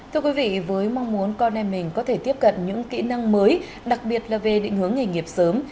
thưa quý vị với mong muốn con em mình có thể tiếp cận những kỹ năng mới đặc biệt là về định hướng nghề nghiệp sớm